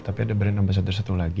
tapi ada brand ambasador satu lagi